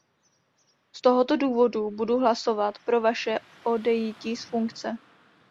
Z tohoto důvodu budu hlasovat pro vaše odejití z funkce.